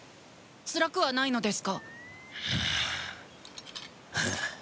つらくはないのですか？